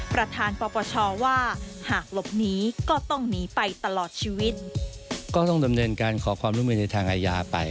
พระธานประปชว่า